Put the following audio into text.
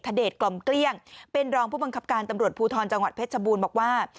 เดชกล่อมเกลี้ยงเป็นรองผู้บังคับการตำรวจภูทรจังหวัดเพชรชบูรณ์บอกว่า